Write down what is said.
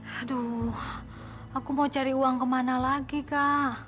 aduh aku mau cari uang ke mana lagi kak